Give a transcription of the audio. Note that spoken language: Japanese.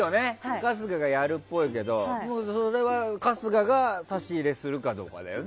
春日がやるっぽいけど、それは春日が差し入れするかどうかだよね。